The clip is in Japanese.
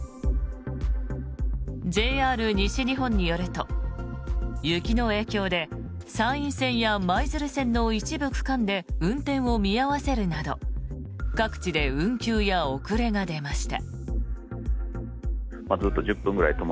ＪＲ西日本によると雪の影響で山陰線や舞鶴線の一部区間で運転を見合わせるなど各地で運休や遅れが出ました。